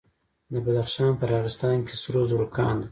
د بدخشان په راغستان کې سرو زرو کان دی.